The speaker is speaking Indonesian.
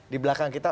di belakang kita